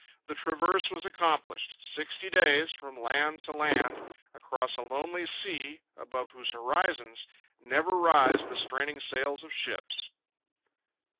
The traverse was accomplished. Sixty days from land to land, across a lonely sea above whose horizons never rise the straining sails of ships.